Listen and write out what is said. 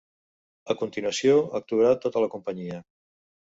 A continuació actuarà tota la companyia.